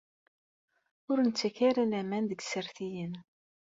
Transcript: Ur nettak ara laman deg isertayen.